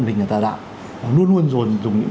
mình là tà đạo luôn luôn dùng những